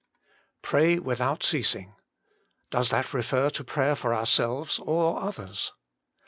Pray without Ceasing. Does that refer to prayer for ourselves or others